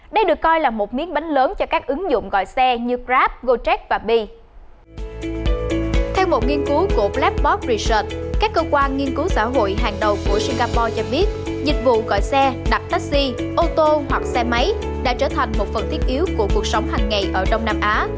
dịch vụ gọi xe đặt taxi ô tô hoặc xe máy đã trở thành một phần thiết yếu của cuộc sống hằng ngày ở đông nam á